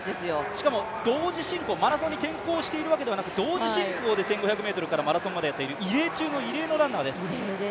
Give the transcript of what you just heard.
しかもマラソンに転向しているわけではなく同時進行で１５００ｍからマラソンまでやっている異例中の異例の選手です。